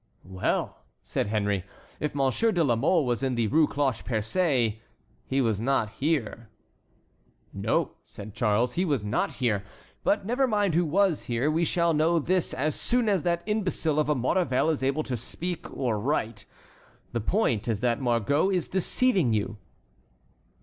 "Well," said Henry, "if Monsieur de la Mole was in the Rue Cloche Percée, he was not here." "No," said Charles, "he was not here. But never mind who was here; we shall know this as soon as that imbecile of a Maurevel is able to speak or write. The point is that Margot is deceiving you."